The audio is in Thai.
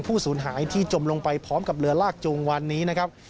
สูญหายที่จมลงไปพร้อมกับเรือลากจูงวันนี้นะครับ